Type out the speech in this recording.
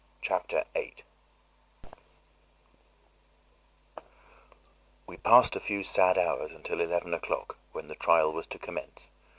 Chapter 8 We passed a few sad hours until eleven o'clock, when the trial was to commence.